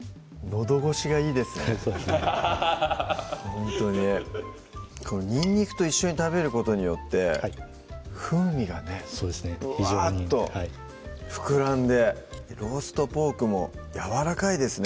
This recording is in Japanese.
ほんとににんにくと一緒に食べることによって風味がねブワーッと膨らんで「ローストポーク」もやわらかいですね